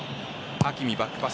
ハキミ、バックパス。